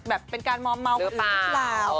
แบบเป็นการมอมเมาหรือเปล่า